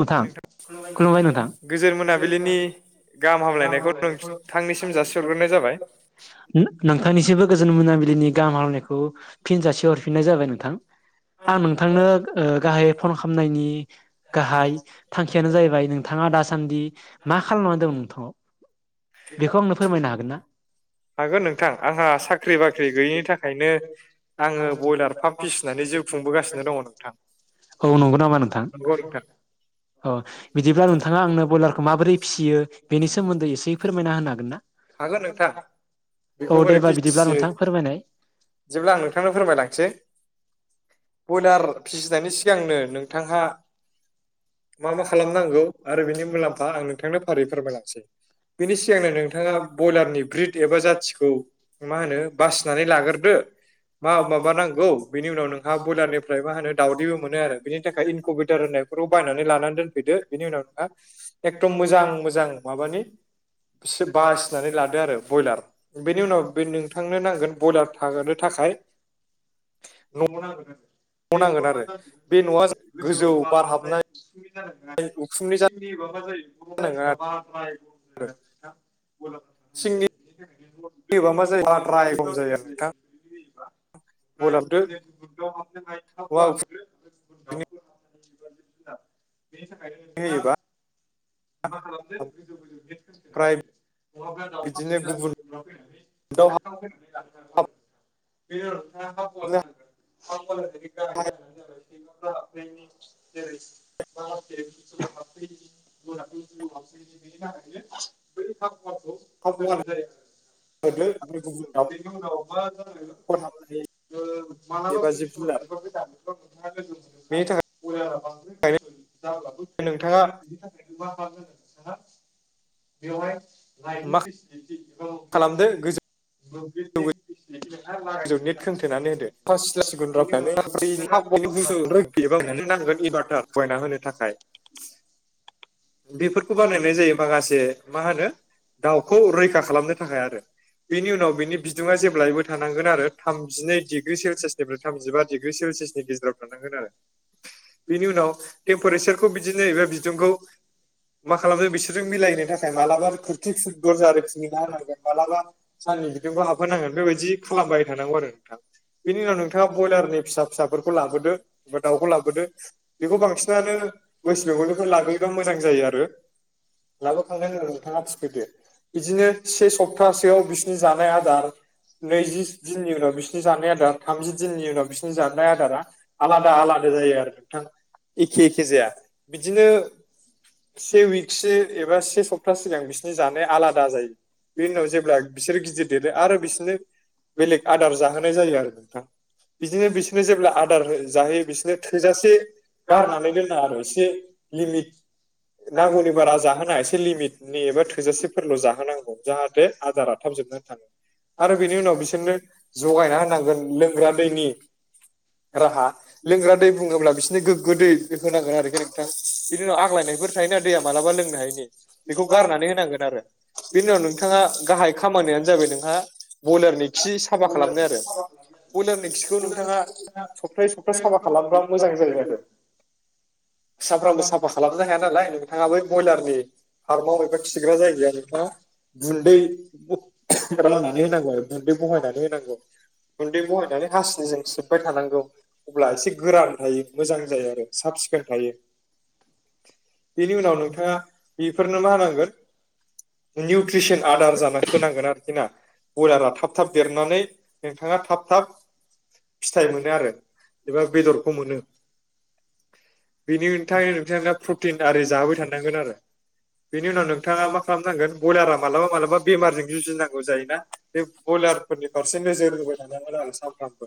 नोंथां खुलुमबाय नोंथां गोजोन मोनाबिलिनि गाहाम हामलायनायखौ नोंथांनिसिम जासिहरग्रोनाय जाबाय नोंथांनिसिमबो गोजोन मोनाबिलि नि गाहाम हामलायनायखौ फिन जासि हरफिननाय जाबाय नोंथां आं नोंथांनो गाहायै फन खालामनायनि गाहाय थांखियानो जाहैबाय नोंथाङा दासान्दि मा खालामनानै दं नोंथांङा बेखौ आंनो फोरमायनो हागोन ना? हागोन नोंथां आंहा साख्रि बाख्रि गैयिनि थाखायनो आङो बयलार पाम्प फिसिनानै जिउ खुंबोगासिनो दङ नोंथां औ नामा नोंथां नंगौ नोंथां अ बिदिब्ला नोंथाङा आंनो बयलारखौ माबोरै फिसियो बेनि सोमोन्दै एसे फोरमायना होनो हागोन ना? हागोन नोंथां बेखौ औ बोरै देबा बिदिब्ला फिसियो नोंथां फोरमायनाय जेब्ला आं नोंथांनो फोरमायलांसै बयलार फिसिनायनि सिगांनो नोंथांहा मा मा खालामनांगौ आरो बिनि मुलाम्फा आं नोंथांनो फारियै फोरमायलांसै बिनि सिगांनो नोंथाङा बयलारनि ब्रिद एबा जाथिखौ मा होनो बासिनानै लाग्रोदो मा माबा नांगौ बेनि उनाव नोंहा बयलारनिफ्राय मा होनो दावदैबो मोननो बेनि थाखाय इन कम्पिउटार होननायखौ बा नों लाना दोनफैदो बिनि उनाव नोंहा एगदम मोजां मोजां माबानि इसे बास लादो आरो बयलार बेनि उनाव बे नोंथांनो नांगोन बयलार थाहोनो थाखाय न नांगोरगोन बे नांगोन मा मा आरो जानो बे न'आ गोजौ बार बारहाबनाय उखुमनि हाबनाय उखुमनि जानाङा आरो [unintelligible] [unintelligible] फाय [unintelligible] सिंनि [unintelligible] जायो नोंथां [unintelligible] बयलार फिफ्टिनि [unintelligible] बेनि थाखायनो नोंथाङा होयोबा मा खालामदो गोजौ गोजौ ओमफ्राय बिदिनो गुबुन [unintelligible] दाउ हाबनो बेनो नोंथां [unintelligible] [unintelligible] [unintelligible] [unintelligible] [unintelligible] एबा जिब जुनार [unintelligible] नोंथाङा [unintelligible] बेवहाय लाइटनि मा फिसिलिथि खालामदो गोजो [unintelligible] गोजौ नेट खोंथेनानै [unintelligible] बेफोरखौ बानायनाय जायो माखासे मा होनो दाउखौ रैखा खालामनो थाखाय आरो बेनि उनाव बिनि बिदुङा जेब्लायबो थानांगोन आरो थामजिनै डिग्रि सेलसियासनिफ्राय थामजिबा डिग्रि सेलसियासनि गेजेराव थानांगोन आरो बिनि उनाव टेम्पारेसारखौ बिदिनो एबा बिदुंखौ मा खालामदों बिसोरजों मिलायनो थाखाय मालाबा खोरखि दरजा होरि खुलिना होनांगोन मालाबा साननि बिदुंबो हाबहोनांगोन बेबायदि खालामलायबाय थानांगौ आरो नोंथां बेनि उनाव नोंथाङा ब्रयलारनि फिसा फिसाफोरखौ लाबोदो बा दाउखौ लाबोदो बेखौ बांसिनानो वेस्ट बेंगलनिफ्राय लाबोयो मोजां जायो आरो लाबोखांनायनि उनाव नोंथाङा थिखेदो बिदिनो से सप्तासेआव बिसिनि जानाय आदार नैजि दिननि उनाव बिसिनि जानाय आदार थामजि दिननि उनाव बिसिनि जानाय आदारा आलादा आलादा जायो आरो एखे एखे जाया बिदिनो से उइकसे एबा से सप्ता सिगां बिसिनि जानाया आलादा जायो बेनि उनाव जेब्ला बिसोर गिदिर देरो आरो बिसोरनो बेलेग आदार जाहोनाय जायो आरो नोंथां बिदिनो बिसोरनो जेब्ला आदार हो जाहोयो बिसोरनो थोजासे एसे गारनानै दोना आरो एसे लिमिट नांगौनि बारा जाहोना एसे लिमिटनि एबा थोजासेफोरल' जाहोनांगौ जाहाथे आदारा थाब जोबनानै थाङो आरो बेनि उनाव बिसोरनो जगायना होनांगोन लोंग्रा दैनि राहा लोंग्रा दै बुङोब्ला गोगो दै होनांगोन आरोखि नोंथां बिनि उनाव आ आग्लायनायफोर थायोना दैया मालाबा लोंनो हायैनि बेखौ गारनानै होनांगोन आरो बेनि उनाव नोंथाङा गाहाय खामानियानो जाबाय नोंहा बयलारनि खि साफा खालामनाय आरो बयलारनि खिखौ नोंथाङा सप्तायै सप्ता साफा खालामब्ला मोजां जायो आरो साफ्रामबो साफा खालामनो हाया नालाय नोंथाङा बै बयलारनि फार्माव एबा खिग्रा जायगायाव नोंथाङा गुन्दै राननानै होनांगौ आरो गुन्दै बहायनानै होनांगौ गुन्दै बहायनानै हासिबजों सिबबाय थानांगौ अब्ला एसे गोरान थायो मोजां जायो आरो साब सिखोन थायो। बेनि उनाव नोंथाङा बेफोरनो मा होनांगोन निउट्रिसन आदार जानो होनांगोन आरोखि ना बयलारा थाब थाब देरनानै नोंथाङा थाब थाब फिथाइ मोनो आरो एबा बेदरखौ मोनो। बेनि [unintelligible] प्रटिन आरि जाहोबाय थानांगोन आरो बेनि उनाव नोंथाङा मा खालामनांगोन बयलारा मालाबा मालाबा बेमारजों जुजिनांगौ जायोना बे बयलारफोरनि फारसे नोजोर होबाय थानांगोन आरो सामफ्रामबो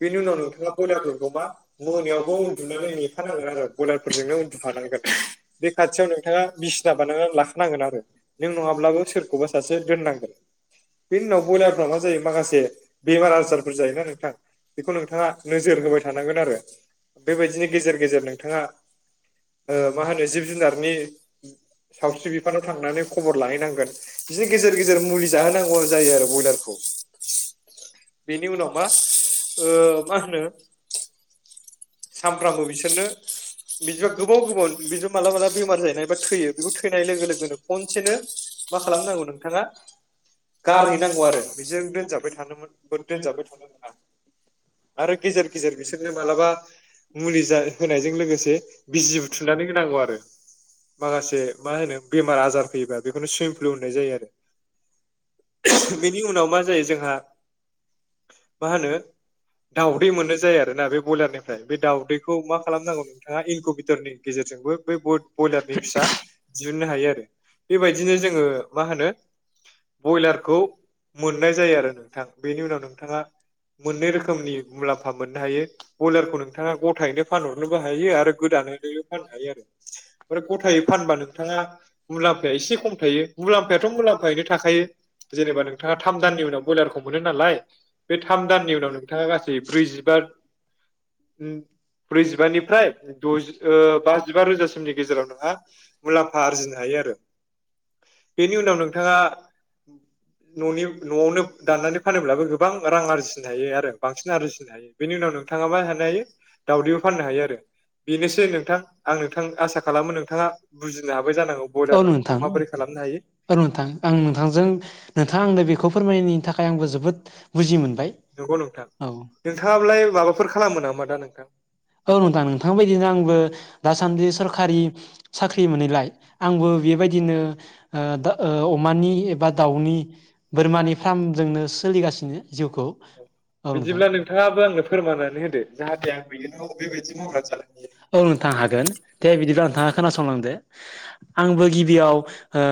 बेनि उनाव नोंथाङा बयलारफोरखौ मा मोनायावबो उन्दुनो लोंनि बयलारफोरजोंनो उन्दुफानांगौ बे खाथियाव नोंथाङा बिसिना बानायनानै लाखानांगोन आरो नों नङाब्लाबो सोरखौबा सासे दोननांगोन बेनि उनाव बयलारफ्रा मा जायो माखासे बेमार आजारफोर जायोना नोंथां बेखौ नोंथाङा नोजोर होबाय थानांगोन आरो बेबायदिनो गेजेर थाङा ओ मा होनो जिब जुनारनि सावस्रि बिफानाव थांनानै खबर लाहैनांगोन बिदि गेजेर गेजेर मुलि जाहोनांगौ जायो आरो बयलारखौ बेनि उनाव मा ओ मा होनो सामफ्रामबो बिसोरनो बिदि गोबाव गोबाव बेबो मालाबा मालाबा बेमार जायोना एबा थैयो बेखौ थैनाय लोगो लोगोनो खनसेनो मा खालामनांगौ नोंथाङा गारहैनांगौ आरो बेजों दोनजाबबाय थानो दोनजाबबाय थानो मोना। आरो गेजेर गेजेर बिसोरनो मालाबा मुलि जा होनायजों लोगोसे बिजिबो थुनानै होनांगौ आरो माखासे मा होनो बेमार आजार फैयोबा बेखौनो सुइम फ्लु होननाय जायो आरो बेनि उनाव मा जायो जोंहा मा होनो दाउदै मोनो जायो आरोना बे ब्रयलारनिफ्राय बे दाउदैखौ मा खालामनांगौ नोंथाङा इनक नि गेजेरजोंबो बे ब्रयलारनि फिसा दिहुननो हायो आरो बेबायदिनो जोङो मा होनो ब्रयलारखौ मोननाय जायो आरो नोंथां बेनि उनाव नोंथाङा मोननै रोखोमनि मुलाम्फा मोननो हायो ब्रयलारखौ नोंथाङा गथायैनो फानहरनोबो हायो आरो गोदानो फाननो हायो आरो गथायै फानबा नोंथाङा मुलामफाया एसे खम थायो मुलाम्फायाथ' मुलाम्फायैनो थाखा जेनेबा नोंथाङा थाम दाननि उनाव ब्रयलारखौ मोनो नालाय बे थाम दाननि उनाव नोंथाङा गासै ब्रैजिबा ब्रैजिबानिफ्राय दजि बाजिबा रोजासिमनि गेजेराव नोंहा मुलाम्फा आरजिनो हायो आरो बेनि उनाव नोंथाङा न'नि न'आवनो दाननानै फानोब्लाबो गोबां रां आरजिनो हायो आरो बांसिन आरजिनो हायो बेनि उनाव नोंथाङा मा हानो हायो दाउदैबो फाननो हायो आरो बेनोसै नोंथां आं नोंथां आसा खालामो नोंथाङा बुजिनो हाबाय जानांगौ औ ब्रयलारखौ नोंथां माबोरै खालामनो हायो औ नोंथां आं नोंथांजों नोंथाङा आंनो बेखौ फोरमायनायनि थाखाय आयंबो जोबोद बुजि मोनबाय नंगौ नोंथां औ नोंथाङालाय माबाफोर खालामो नामा दा नोंथां औ नोंथां नोंथां बायदिनो आंबो दासान्दि सरखारि साख्रि मोनैलाय आंबो बेबायदिनो ओ दा अमानि एबा दाउनि बोरमानि फार्मजोंनो सोलिगासिनो जिउखौ औ नोंथां बिदिब्ला नोंथाङाबो आंनो फोरमायनानै होदो जाहाथे आंबो इयुनाव बेबायदि मावनानै जानो हायो औ नोंथां हागोन दे बिदिब्ला नोंथाङा खोनासंलांदो आंबो गिबियाव ओ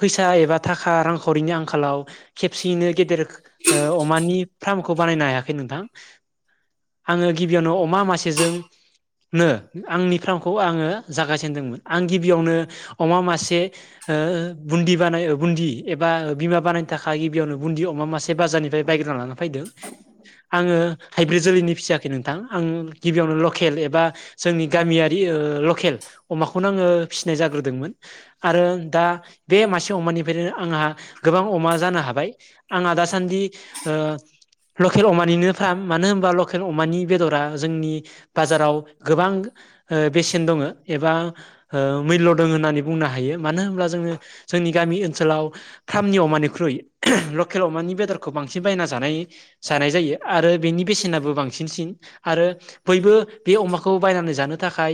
फैसा एबा थाखा रांखावरिनि आंखालाव खेबसेयैनो गेदेर अमानि फार्मखौ बानायनो हायाखै नोंथां आङो गिबियावनो अमा मासेजोंनो आंनि फार्मखौ आङो जागायजेनदोंमोन आं गिबियावनो अमा मासे बुन्दि बानाय बुन्दि एबा बिमा बानायनो थाखाय गिबियावनो बुन्दि अमा मासे बाजारनिफ्राय बायग्रोनानै लानानै फैदों आङो हाइब्रिद जोलैनि फिसा नोंथां आं गिबियावनो लकेल एबा जोंनि गामियारि लकेल अमाखौनो आङो फिसिनाय जाग्रोदोंमोन आरो दा बे मासे अमानिफ्रायनो आंहा गोबां अमा जानो हाबाय आंहा दासान्दि लकेल अमानिनो फाम मानो होनबा लकेल अमानि बेदरा जोंनि बाजाराव गोबां बेसेन दङ एबा मुल्य दङ होननानै बुंनो हायो मानो होनब्ला जोङो जोंनि गामि ओनसोलाव फामनि अमानिख्रुइ लकेल अमानि बेदरखौ बांसिन बायना जानाय जानाय जायो आरो बेनि बेसेनाबो बांसिन बांसिन सिन आरो बयबो बे अमाखौ बायनानै जानो थाखाय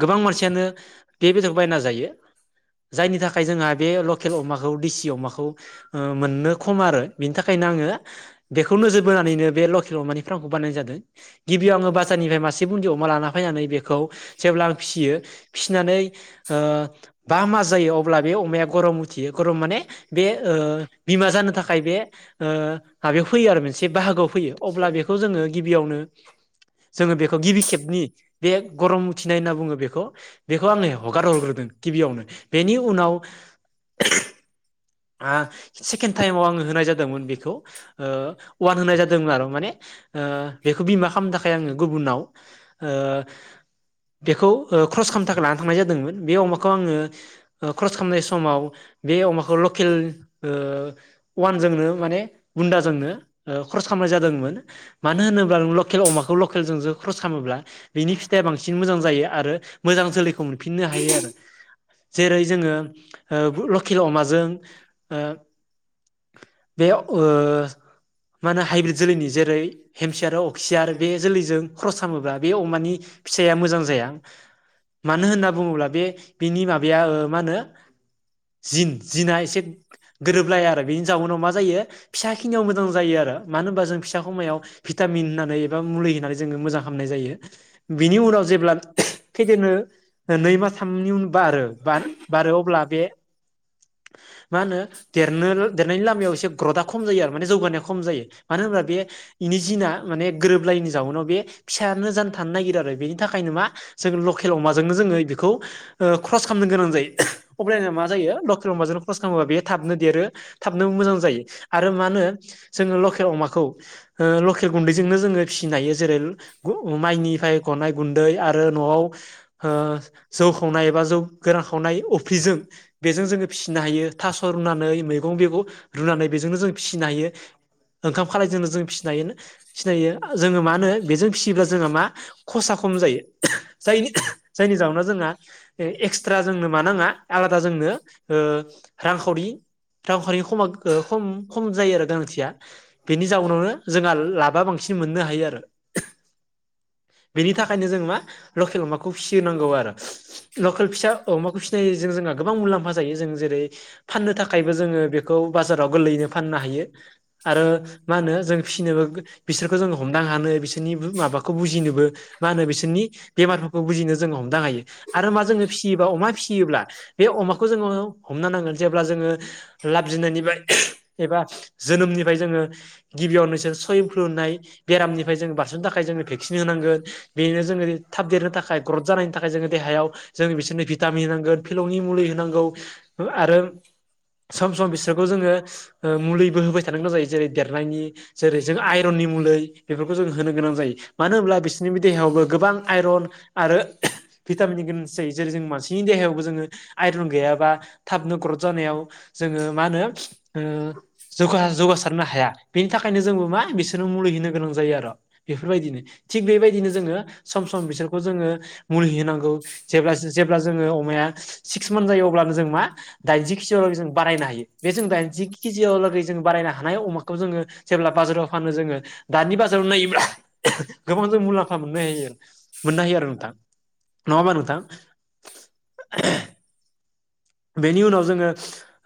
गोबां मानसियानो बे बेदरखौ बायना जायो जायनि थाखाय जोंहा बे लकेल अमाखौ दिसि अमाखौ मोननो खम आरो बिनि थाखायनो आङो बेखौ नोजोर बोनानैनो बे लकेल लकेल अमानि फामखौ बानायनाय जादों गिबियाव आङो बाजारनिफ्राय मासे बुन्दि अमा लाना फैनानै बेखौ जेब्ला आं फिसियो फिसिनानै बा मास जायो अब्ला बे अमाया गरम उथियो गरम माने बे बिमा जानो थाखाय बे माबायाव फैयो आरो मोनसे बाहागोआव फैयो अब्ला बेखौ जोङो गिबियावनो जोङो बेखौ गिबि खेबनि बे गरम उथिनाय होनना बुङो बेखौ बेखौ आङो हगार हरग्रोदों। गिबियावनो बेनि उनाव आ सेकेण्ड टाइमाव आङो होनाय जादोंमोन बेखौ ओ अवान होनाय जादोंमोन आरो माने ओ बेखौ बिमा खामनो थाखाय आङो गुबुनाव ओ बेखौ क्रस खामनो थाखाय लानो थांनाय जादोंमोन बे अमाखौ आङो क्रस खामनाय समाव बे अमाखौ ल [unintelligible] ओ अवानजोंनो माने बुनदाजोंनो ख्रस खामनाय जादोंमोन मानो होनोब्ला लकेल अमाखौ लकेलजोंसो खरस खालामोब्ला बिनि फिथाइया बांसिन मोजां जायो आरो मोजां जोलैखौ मोनफिननो हायो आरो जेरै जोङो लकेल अमाजों ओ बे ओ मा होनो हाइब्रिद जोलैनि जेरै हेमसियार अक्सियार बे जोलैजों ख्रस खालामोब्ला बे अमानि फिसाया मोजां जाया मानो होनना बुङोब्ला बे बिनि माबाया ओ मा होनो जिन जिना [unintelligible] गोरोबलाया आरो बेनि जाउनाव मा जायो फिसा खिनियाव मोजां जायो आरो मानो होनबा जों फिसा समायाव भिटामिन होननानै एबा मुलि होनानै जोङो मोजां खालामामनाय जायो बिनि उनाव जेब्ला खनो नै माथामनि उन बारो बारो अब्ला बे मा होनो देरनो [unintelligible] नि लामायाव एसे ग्रथआ खम जायो आरो माने जौगानाया खम जायो मानो होनोबा बे बेनि जिना माने गोरोबलायैनि जाउनाव बे फिसायानो जानो थानो नागिरो आरो बेनि थाखायनो मा जों लकेल अमाजोंनो जोङो बेखौ क्रस खालामनो गोनां जायो अब्लाना मा जायो [unintelligible] खरस खालामोबा बेयो थाबनो देरो थाबनोबो मोजां जायो आरो मा होनो जोङो लकेल अमाखौ ओ लकेल गुन्दैजोंनो जोङो फिसिनो हायो जेरै माइनिफ्राय गनाय गुन्दै आरो न'आव ओ जौ खावनाय एबा जौ गोरान खावनाय अफ्रिजों बेजों जोङो फिसिनो हायो थास' रुनानै [unintelligible] रुनानै बेजोंनो जों फिसिनो हायो, ओंखाम खालायजोंनो जों फिसिनो हायो फिसिनो हायो जोङो मा होनो बेजों फिसियोब्ला जोंहा मा खसा खम जायो [unintelligible] जायनि जायनि जउोनाव जोंहा एक्सट्रा जोंनो मा नाङा आलादा जोंनो ओ रांखावरि [unintelligible] खम जायो आरो गोनांथिया बेनि जाउनावनो जोंहा लाबा बांसिन मोननो हायो आरो बेनि थाखायनो जोंङो मा लकेल अमाखौ फिसिनांगौ आरो लकेल फिसा अमाखौ फिसिनायजों जोंहा गोबां मुलाम्फा ज जों जेरै फाननो थाखायबो जोङो बेखौ बाजाराव गोरलैयैनो फाननो हायो आरो मा होनो जों फिसिनो बिसोरखौ जोङो हमनो हानो बिसोरनि माबाखौ मा होनो बिसोरनि बेमारफोरखौ बुजिनो जों हमदां हायो आरो मा जोङो फिसियोबा अमा फिसियोब्ला बे अमाखौ [unintelligible] हमनोनांगोन जेब्ला जोङो लाबजेननायनिफ्राय [unintelligible] ऐसा जो गिबियाव नोंसोर फ्लुनाय बेरामनिफ्राय ज बारस'नो थाखा [unintelligible] य ज भेक्सिन होनांगोन बेनो जोङो थाब देरनो थाखाय ग्रथ जानायनि थाखाय जोङो देहायाव जों बिसोरनो भिटामिन होनांगोन फिलौनि मुलि होनांगोन आरो सम सम बिसोरखौ जोङो मुलिबो होबाय थानो गोनां जायो जेरै देरनायनि जेरै जों आइरननि मुलि बेफोरखौ जों होनो गोनां जायो मानो होनब्ला बिसोरनिबो देहायावबो गोबां आइरन आरो भिटामिन गोनांथि जायो जेरै जों मानसिनि देहायावबो जोङो आरन गैयाबा थाबनो ग्रद जानायाव जोङो मा होनो जौगा जौगासारनो हाया बेनि थाखायनो जोंबो मा बिसोरनो मुलि होनो गोनां जायो आर' बेफोरबायदिनो थिग बेबायदिनो जोङो सम सम बिसोरखौ जोङो मुलि होनांगौ जेब्ला जोङो अमाया सिक्स मान्थ जायो अब्ला जों मा दाइनजि केजियाव लागै जों बारायनो हायो बे जों दाइनजि केजियावलागै जों बायनो हानाय अमाखौ जोङो जेब्ला बाजाराव फानो जोङो दानि बाजाराव नायोब्ला गोबां जों मुलाम्फा मोननो हायो मोननो हायो आरो नोंथां नङाबा नोंथां बेनि उनाव जोङो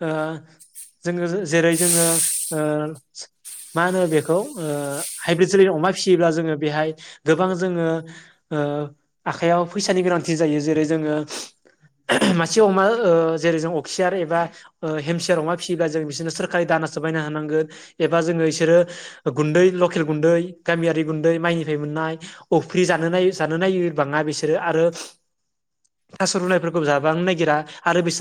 ओ जोङो जेरै जोङो ओ मा होनो बेखौ ओ हाइब्रिद जोलै अमा फिसियोब्ला जोङो ओ बेहाय गोबां जोङो आखायाव फैसानि गोनांथि जायो जेरै जोङो मासे अमा ओ जेरै जों अखसियार एबा हेमसियार अमा फिसियोब्लाा जों बिसोरनो सोरखारि दानासो बायना होनांगोन एबा जोङो बिसोरो गुन्दै लकेल गुन्दै गामियारि गुन्दै माइनिफ्राय मोननाय अफ्रि जानो जानो नाय बाङा बिसोरो आरो थास' रुनायफोरखौ जाबांनो ननायागिरा आरो बेसि